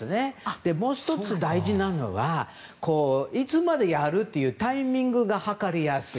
もう１つ、大事なのはいつまでやるというタイミングが計りやすい。